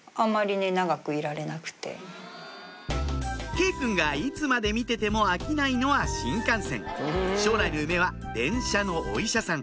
佳依くんがいつまで見てても飽きないのは新幹線将来の夢は電車のお医者さん